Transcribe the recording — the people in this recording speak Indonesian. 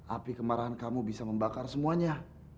api kemarahan kamu bisa membakar semuanya